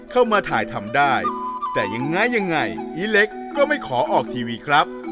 เข้ามาถ่ายทำได้แต่ยังไงยังไงอีเล็กก็ไม่ขอออกทีวีครับ